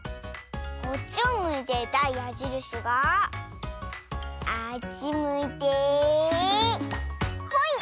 こっちをむいていたやじるしがあっちむいてほい！